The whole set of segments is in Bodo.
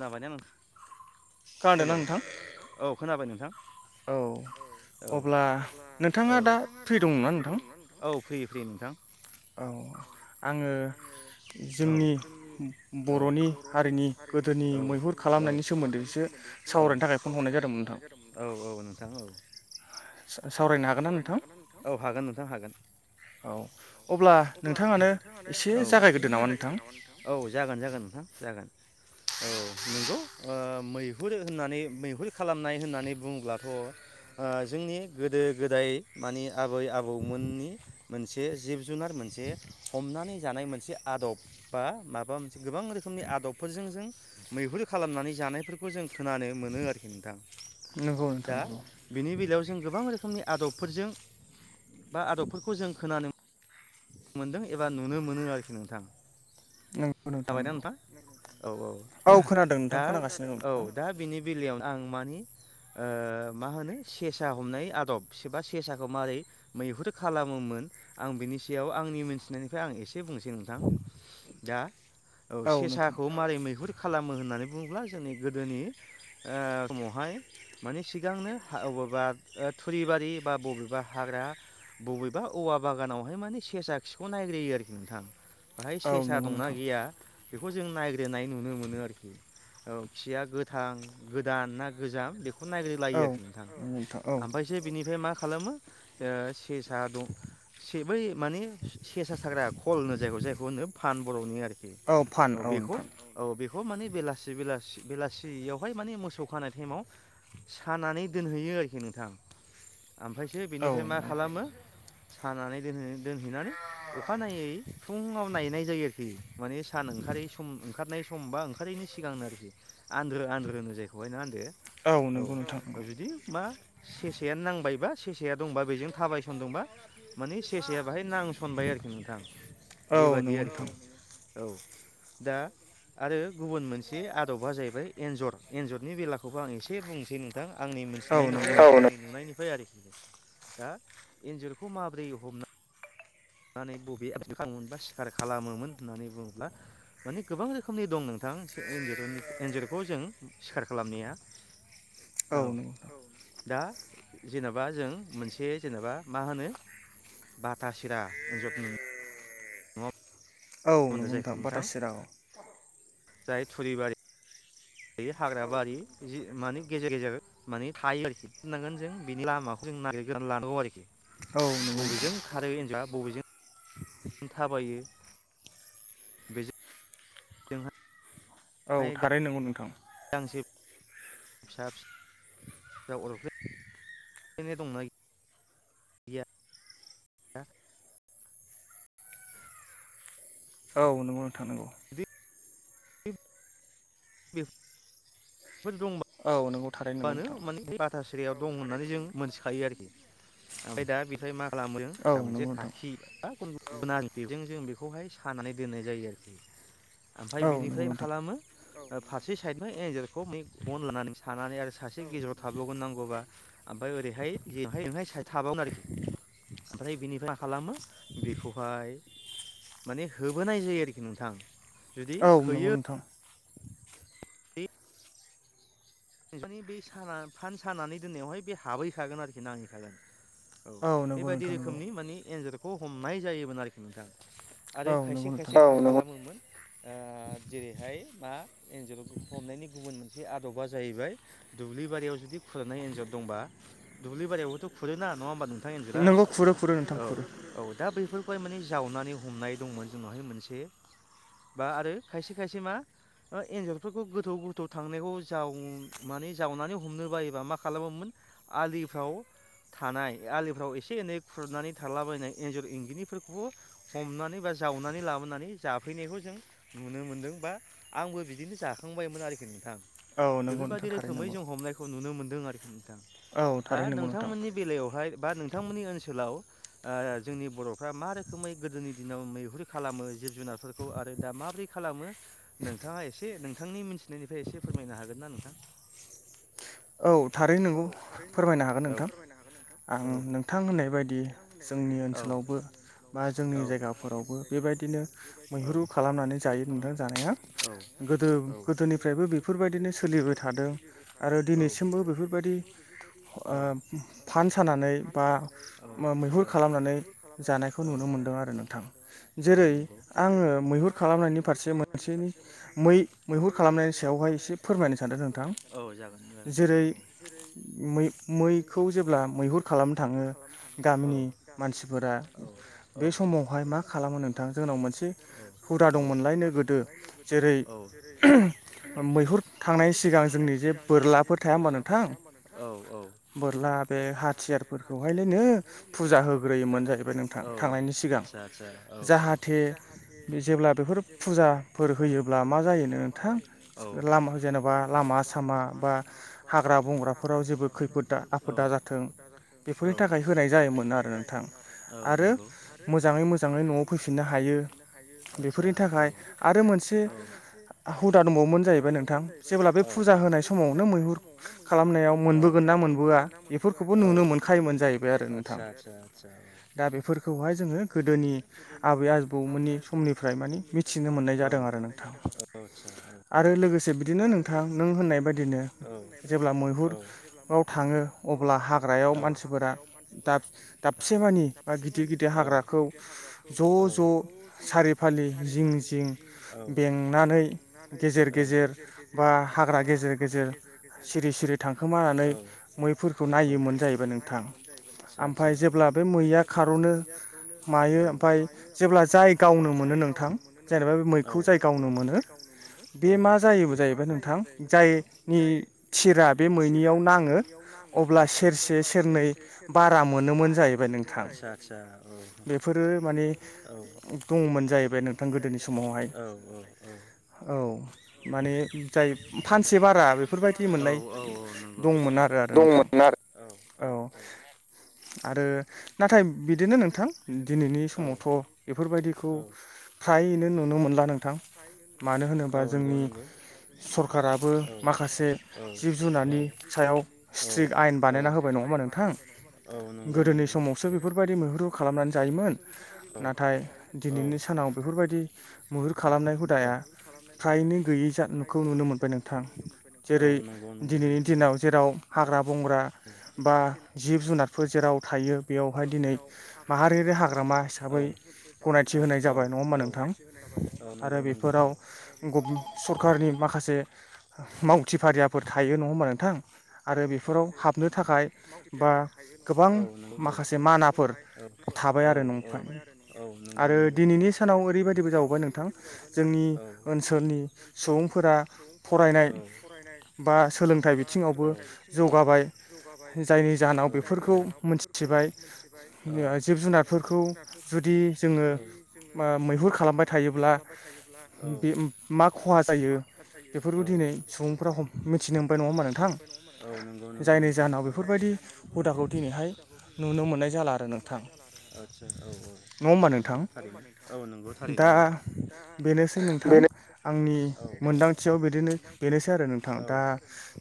खोनाबाय नों खोनादोंना हेलौ नोंथां? औ खोनाबाय नोंथां। औ औ अब्ला नोंथाङा दा फ्रि दंना नोंथां। फ्रि-फ्रि नोंथां। औ आङो औ जोंनि बर'नि हारिनि गोदो औ-औ खालामनायनि सोमोन्दैसो औ सावरायनो थाखाय फन हरनाय जादोंमोन नोथां औ औ नोंथां औ। सावरायनो हागोन ना नोंथां औ हागोन नोंथां हागोन। औ अब्ला नोंथाङानो एसे औ जागायग्रोदो नामा नोंथां। औ जागोन जागोन नोंथां जागोन। औ नंगौ ओ मैहुर होननानै मैहुर खालामनाय होननानै बुंब्लाथ'। ओ जोंनि गोदो गोदाय मानि आबै-आबौमोननि। मोनसे जिब-जुनार मोनसे हमनानै जानाय मोनसे आदब बा माबा मोनसे गोबां रोखो मनि आदबफोरजों जों मैहुर खालामनानै जानायफोरखौ जों खोनानो मोनो आरोखि नोंथां। नंगौ नोंथां दा नंगौ बिनि बेलायाव जों गोबां रोखोमनि आदबफोरजों बा आदबफोरखौ जों खोनानो मोनदों एबा नुनो मोनो आरोखि नोंथां। नंगौ जाबायना नंगौ। नोंथां? औ औ-औ खोनादों नोंथां दा खोनागासिनो दं औ नोंथां। दा बिनि बेलायाव आं मानि। ओ मा होनो सेसा हमनाय आदब सेबा सेसाखौ मारोरै मैहुर खालामोमोन। आं बिनि सेयाव आंनि मिन्थिनायनिफ्राय आं एसे बुंनोसै नोंथां दा औ सेसाखौ मारै मैहुर खालामो होननानै बुंब्ला जोंनि गोदोनि ओ समावहाय। माने सिगांनो हा अबेबा ओ थुरिबारि बा बबेबा हाग्रा बबेबा औ वा बागानावहाय माने सेसा खिखौ नायग्रोयो आरोखि नोंथां बाहाय औ सेसा नंगौ दंना नोंथां गैया बेखौ जों नायग्रोनाय नुनो मोनो आरोखि। औ खिया गोथां गोदान ना गोजाम बे खौ नायग्रोलायो औ आरोखि नोंथां नंगौ नोंथां औ ओमफायसो बिनिफाय मा खालामो ओ सेसा दं सि बै माने सेसा साग्रा खल होनो जायग जायखौ होनो फान बर'नि आर रोखि औ बेखौ औ बे खौ माने बेलासि-बेलासि-बेलासियावहाय माने मोसौ खानाय टाइमाव। सानानै दोनहैयो आरोखि नोंथां। ओमफायसो औ बेनिफ्राय मा नंगौ नोंथां खालामो सानानै दोहैयो दोनहैनानै अ' अखानायै फुङाव नायनाय जायो आरोखि। माने सान ओंखारै सम ओंखारनाय सम बा ओंखारैनि सिगांनो आरोखि आन्द्रो-आन्द्रो होनो जायखौहाय ना आदो। औ औ-औ नंगौ नोंथां ओ नंगौ। जुदि मा सेसेआ नांबायबा सेसेया दंबा बेजों थाबायसनदोंबा मानि सेसाया बाहाय नांसनबा य आरोखि नोंथां। औ बेबादि नंगौ आरोखि नोंथां। औ दा आरो गुबुन मोनसे आदबा जाहैबाय एन्जर एन्जरनि बेलाखौबो आं एसे बुंनोसै नोंथां। आंनि औ नंगौ मोनथिनायनिफ्राय नोंथां औ नुनायनिफ्राय आरोखि। दा एन्जुरखौ माब्रै हमना नानै बबे सिखार खालामोमोन होननानै बुङोब्ला माने गोबां रोखोमनि दं नोंथां। थां से एन्जरखौ जों सिखार खालामनाया। औ नंगौथ'। दा जेनेबा जों मोनसे जेनेबा मा होनो बाथा सिरा एन्जर होनबा जायखौ बुमथा बाथा नोंथां सिराखौ जाय थुरिबारि थायो हाग्रा बारि जि माने गेजेर गेजेर माने थायो आरोखि होननांगोन जों बिनि लामाखौ जों नागेरगोरना लानांगौ आरोखि औ नंगौ नोंथां बबेजों खारो एनजरआ बबेजों थाबायो बेजों जोंहा औ थारैनो नंगौ नोंथां। गांसो फिसा फिसा अरफ्ले नो दंना गैया [unintelligible] थानांगौ। जुदि [unintelligible] फोर दङ। औ नोंगौ। मानो माने बाथासिरियाव दं होननानै जों मोनथिखायो आरोखि ओमफ्राय दा बेखाय मा खालामदों औ दा मोनसे नंगौ नोंथां खाखि [unintelligible] जों बेखौहाय सानानै दोननाय जायो आरोखि ओमफ्राय औ नंगौ बिनिफ्राय मा नोंथां खालामो ओ फारसे साइदनो एनजरखौ मे बन लानानै सानानै आरो सासे गेजेराव थाबावगोन नांगौबा ओमफ्राय ओरैहाय जेहाय ओहाय साय थाबावगोन आरोखि। ओमफ्राय बिनिफ्राय मा खालामो बेखौहाय माने होबोनाय जायो आरोखि नोंथां। जुदि औ नंगौ होयो नोंथां। [inaudible] नोंथांनि बे साना फान सानानै दोननायावहाय बे हाबहैखागोन आरोखि नांहैखागोन औ। नंगौ बेबायदि नोंथां नंगौ रोखोमनि माने एन्जरखौ हमनाय जायोमोन आरोखि नोंथां। आरो औ खायसे नंगौ नोंथां खायसे [unintelligible] ओ जेरैहाय मा एनजरख हमनायनि गुबुन मोनसे आदबा जा जाहैबाय दुब्लिबारियाव जुदि खुरनाय एन्जर दंबा दुब्लि बारियावबोथ' खुरो ना नंङा होमबा नों थां एनजर? नोंगौ खुरो खुरो नोंथां खुरो औ औ दा बैफोर फोर माने जावनानै हमनाय दंमोन जोंनावहाय मोनसे बा आरो खायसे खायसे मा ओ एन्जरफोरखौ गोथौ गोथौ थांनायखौ जाव माने जावनानै हमनो बायोबा मा खालामोमोन आलिफ्राव थानाय आलिफ्राव एसे एनै खुरनानै थालाबायनाय एन्जर इंगिनिफोरखौबो हमनानै बा जावनानै लाबोनानै जाफैनायखौ जों नुनो मोनदों बा आंबो बिदिनो जाखांबायमोन आरोखि नोंथां। औ नंगौ नोंथां बेफोरबादि थारै रोखोमै नंगौ जों हमनायखौ नुनो मोनदों आरोखि नोंथां। औ दा थारै नंगौ नोंथां नोंथांमोननि बेलायावहाय बा नोंथांमोननि ओनसोलाव आ जोंनि बर'फ्रा मा रोखोमै गोदोनि दिनाव मैहुर खालामो जिब जुनारफोरखौ आरो दा माबोरै खालामो नोंथाङा एसे नोंथांनि मिनथिनायनिफ्राय एसे फोरमायनो हागोन ना नोंथां? औ थारैनो नंगौ। फोरमायनो हागोन औ नोंथां आं नोंथां होननाय बायदि जोंनि ओनसोलावबो बा जोंनि जायगाफोरावबो बेबायदिनो मैहुरु मैहुर खालामनानै जायो नोंथां जानाया। गोदो जानाया गोदोनिफ्रायबो बेफोरबायदिनो सोलिबाय थादों आरो दिनैसिमबो सिमबो बेफोरबायदि ओ फान सानानै बा मा औ मैहुर खालामनानै नै जानायखौ नुनो मोनदों आरो नोंथां औ जेरै नंगौ आङो मैहुर खालामनायनि फारसे मोनसेनि मै-मैहुर खालामनायनि सायावहाय एसे खालामनायनि सायावहाय फोरमायनो इसे सानदों नोंथां फोरमायनो सानदों। जेरै मै-मैखौ जेब्ला मैहुर खालामनो थाङो गामिनि औ मानसिफोरा बे औ समावहाय मा खालामो नोंथां जोंनाव मोनसे हुदा औ दंमोनलाय नो गोदो जे रै औ मैहुर थांनायनि सिगां जोंनि जे बोरलाब जे बोरलाबो थाया होमब्ला नोंथां औ औ बोरला बे बोरला बे हाथियारफोरखौहायलायनो हाथियारफोरखौहायलायनो फुजा फुजा होग्रोयोमोन जाहैबाय होग्रोयोमोन नोंथां औ थांनायनि सिगां आत्सा आत्सा आत्सा औ औ जाहाथे जाहाथे जेब्ला बेफोर जेब्ला बेफोर फुजाफोर होयोब्ला फुजाफोर मा जायोनो होयोब्ला मा नोंथां जा औ लामा जेनेबा लामा सामा बा हाग्रा बंग्राफोराव जेबो खैफोदा औ आफोदा जाथों बेफोरनि थाखाय औ होनाय जायोमोन आरो [inaudible] नोंथां औ आरो नंगौ आरो मोजाङै न'आव मोजाङै फैफिननो मोजाङै न'आव हायो फैफिनो हायो आत्सा बेफोरनि औ थाखाय आरो मोनसे औ हुदा दंबावोमोन जाहैबाय नोंथां जेब्ला बे औ फुजा होनाय समाव नों बेखौनो मैहुर खालामनायाव मोनबोगोन ना मोनबोआ बेफोरखौबो औ नुनो मोनखायोमोन जाहैबाय आरो नोंथां आदसा आदसा आदसा औ दा बेफोरखौहाय जोङो गोदोनि आबै आबौमोननि समनिफ्राय मानिे औ औ आत्सा औ आरो लोगोसे बिदिनो नोंथां नों होननाय बायदिनो जेब्ला मैहुराव थाङो अब्ला हाग्रायाव मानसिफोरा दाब दाबसेमानि बा गिदिर गिदिर औ हाग्राखौ ज' ज' सारि फालि जिं औ जिं बेंनानै गेजेर औ गेजेर बा हाग्रा गेजेर गेजेर सिरि सिरि थां औ औ जाहैबाय नोंथां आत्सा आत्सा ओमफ्राय औ जेब्ला बे मैया [unintelligible] खार'नो मैयाफ्रावनो मायो ओमफाय मायो औ जेब्ला ओमफ्राय जाय जेब्ला गावनो जाय गावनो मोनो नोंथां औ उनाव मोनो बे मा जायोबो जाहैबाय नोंथां जायनि थिरा बे मैनियाव नाङो अब्ला आतसा सेरसे सेरनै बारा मोनोमोन जाहैबाय नोंथां आतसा आतसा औ बेफोरो माने औ दङमोन जाहैबाय नोंथां गोदोनि समावहाय औ औ औ माने जाय फानसे बारा बेफोरबायदि औ मोननाय औ नंगौ औ दंमोन आरो नोंथां औ आरो नाथाय बिदिनो नोंथां दिनैनि औ औ समावथ' बेफोरबायदिखौ औ फ्रायैनो नुनो मोनला नोंथां मानो होनोबा औ नंगौ औ नंगौ जोंनि नंगौ सरखाराबो माख [unintelligible] औ औ स्ट्रिक आयेन औ बानायना होबाय नङा होमबा नोंथां औ औ गोदोनि समावसो बेफोरबायदि मैहरु खालामनानै जायोमोन नाथाय दिनैनि सानाव बेफोरबायदि मैहुर खालामनाय हुदाया फ्रायनो गैयै जा नुखौ नुनो मोनबाय नोंथां जेरै औ नंगौ नंगौ दिनैनि नोंथां दिनाव जेराव हाग्रा बंग्रा बा जिब जुनार फो जेराव थायो बेयावहाय दिनै माहारियारि हाग्रामा हिसाबै औ गनायथि होनाय जाबाय नङा होमबा नोंथां गनायथि आरो होमबा नोंथां बेफोराव गुब सरखारनि माखासे मावथि फारियाफोर थायो नङा होमबा नोंथां आरो बेफोराव हाबनो थाखाय बा गोबां होमबा नोंथां माखासे मानाफोर थाबाय आरो नंफाय आरो दिनैनि सानाव ओरैबायदिबो जाबावबाय नोंथां जोंनि नि ओनसोलनि सुबुंफोरा फरायनाय बा सोलोंथाइ बिथिं जौगाबाय जायनि जाहोनाव बेफोरखौ मोनथिबाय जिब जुनारफोरखौ जुदि जोङो मो-मैहुर खालामबाय थायोब्ला बे मा खहा जायो बेफोरखौ दिनै सुबुंफ्रा मिथिनो मोनबाय नङा होमा नोंथां गौ नगौ जायनि नोंथां जाहोनाव जायनि बेफोरबायदि जाहोनाव बेफोरबायदि हुदाखौ दिनैहाय हुदाखौ दिनैहाय नुनो मोननाय जाला आरो नुनो नोंथां मोननाय आदसा औ औ नङा होमबा नोंथां नंगौ थारैनो औ नंगौ थारैनो दा औ बेनोसै नोंथां आंनि मोनदांथियावनो बेनोसै आरो नोंथां औ दा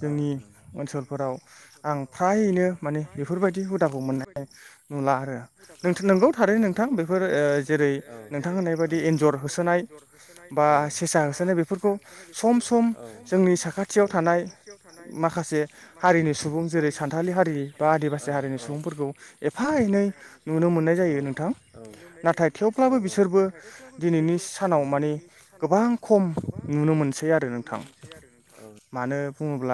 जोंनि नंगौ ओनसोलफोराव आं फ्रायैनो माने बेफोरबायदि हुदाखौ मोननाय नुला आरो नोंगौ थारैनो नोंथां बेफोर जेरै नोंथां होननाय बायदि एन्जर होसोनाय [unintelligible] बा सेसा होसोननाय बेफोरखौ सम सम जोंनि साखाथियाव थानाय माखासे हारिनि सुबुं जेरै स सानथालि हारि बा आदिबासि हारिनि सुबुंफोरखौ एफा एनै नुनो मोननाय जायो नोंथां नाथाय नोंथां थेवब्लाबो बिसोरबो दिनैनि सानाव माने गोबां खम नुनो मोनसै आरो नोंथां म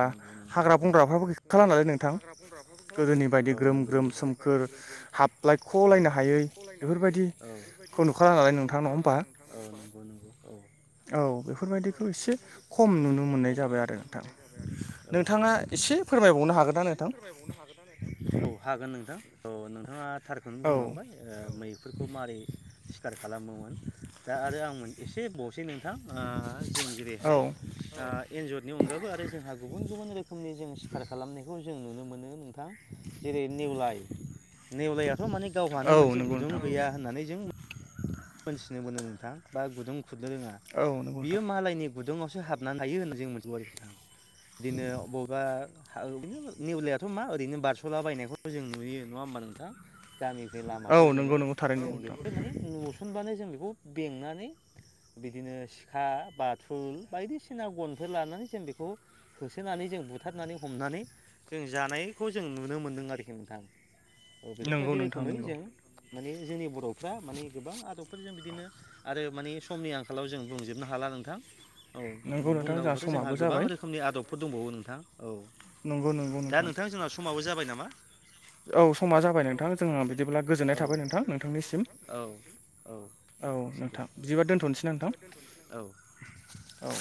मानो होनब्ला नालाय नोंथां हाग्रा बंग्राफोरखौ खालाम नाय गोदोनि बायदि ग्रोम ग्रोम नोंथाङा सोमखोर ओरैबायदि ग्रोम ग्रोम सोमखोर हाबलायख'लायनो हायै हाबलायखलायनो हायै बेफोरबायदिखौ नुखाला नालाय बेफोरबायदिखौ नोंथां नङा नुखाा होमबा नालाय नोंथाङा। औ नंगौ नंगौ औ। औ बेफोरबायदिखौ एसे खम नुनो मोननाय जाबाय आरो नोंथां। औ नोंथाङा नंगौ। एसे नोंथाङा फोरमायबावनो हागोन ना एसे नोंथां फोरमायबावनो हागोन ना नोंथां औ हागोन नोंथां औ नोंथाङा थारखौनो औ बुंलां! मैफोरखौ माबारै सिखार खालामोमोन दा आरो आं एसे बसै नों थां जों जेरैहाय औ एन्जरनि अनगायैबो आरो। जोंहा गुबुन गुबुन रोखोमनि जों सिखार खालामनायखौ जों नुनो मोनो नोंथां जेरै निवलाय नेवलायाथ' माने गावहानो औ मोनसे नंगौ गुदुं नोंथां गैया होननानै जों मोनथिनो मोनोनो नोंथां बा गुदुं खुरनो रोङा औ नंगौ बियो नोंथां मालायनि गुदुङावसो हाबनानै हायो होननानै जों मोनजोोबौ आरोखिथां बिदिनो बबेबा नो नेवलायथ' मा ओरैनो बारस'लाबायायनायखौ जों नुयो नङा होमबा नोंथां। गामिफोर औ नंगौ लामाफोरजोंनो नंगौ थारै जों नंगौ नोंथां बेखौथ माने न जों बेखौ बेंनानै बिदिनो सिखा बाथुल बायदिसिना गनफोर लानानै जों बेखौ होसोनानै ज जों बुथारनानै हमनानै जों जानायखौ जों नुनो मोन्दों आरोखि नोंथां। औ नंगौ बेफोरबायदि नोंथां रोखोमै नंगौ जों माने जोंनि बर'फ्रा माने गोबां। डक्टरजों बिदिनो आरो माने समनि आंखालाव जों बुंजोबनो हाला नोंथां। औ नंगौ नोंथां बुंनांगौबथ' जोंहा समाबो गोबां जाबाय रोखोमनि आदबफोर दंबावो नोंथां। औ नंगौ नंगौ दा नोंथां जोंनाव समावबो जाबाय नामा। औ समा जाबाय नोंथां जों बिदिब्ला गोजोननाय औ थाबाय नोंथां नोंथांनिसिम। औ औ नोंथांनिसिमबो नोंथां बिदिबार दोन्थ'नोसै नोंथां औ औ।